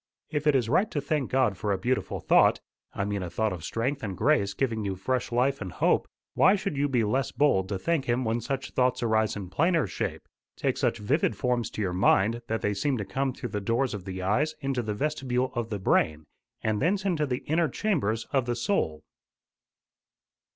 If it is right to thank God for a beautiful thought I mean a thought of strength and grace giving you fresh life and hope why should you be less bold to thank him when such thoughts arise in plainer shape take such vivid forms to your mind that they seem to come through the doors of the eyes into the vestibule of the brain, and thence into the inner chambers of the soul?"